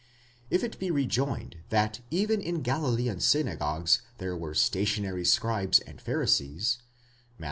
5 Ifit be rejoined, that even in Galilean synagogues there were stationary scribes and Pharisees (Matt.